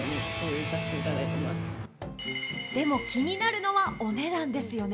でも、気になるのはお値段ですよね